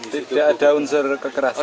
tidak ada unsur kekerasan